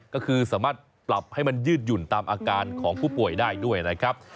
ก็คือสามารถปรับให้มันยืดหยุ่นตามอาการของผู้ป่วยได้ด้วยนะครับ